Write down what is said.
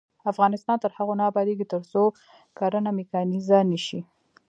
افغانستان تر هغو نه ابادیږي، ترڅو کرنه میکانیزه نشي.